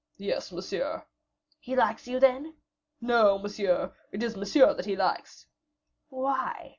"Yes, monsieur." "He likes you, then?" "No, monsieur, it is Monsieur that he likes." "Why?"